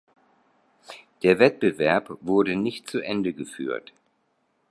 Der Wettbewerb wurde nicht zu Ende geführt.